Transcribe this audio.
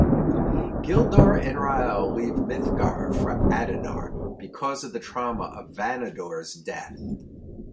Gildor and Rael leave Mithgar for Adonar, because of the trauma of Vanidor's death.